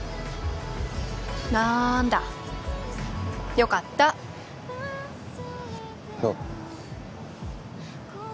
なんだよかったおう